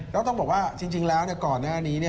แล้วต้องบอกว่าจริงแล้วก่อนหน้านี้